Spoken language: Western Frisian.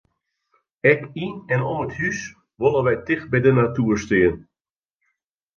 Ek yn en om it hús wolle wy ticht by de natoer stean.